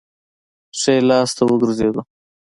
ښي لاس ته وګرځېدو.